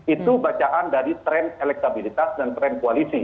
itu bacaan dari tren elektabilitas dan tren koalisi